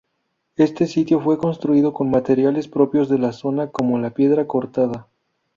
Este sitio fue construido con materiales propios de la zona como la piedra cortada.